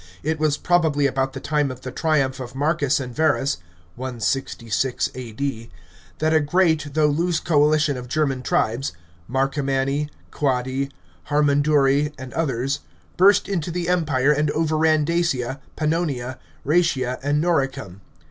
It was probably about the time of the triumph of M TCUS and Verns (166 A.D.) that a great though loose coalition of German tribes — Marcomanni, Quadi, Hermunduri, and others — burst into the empire and overran Dacia, Pannonia, Rsetia, and Noricum.